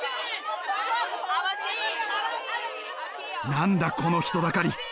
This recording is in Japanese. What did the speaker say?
何だこの人だかり。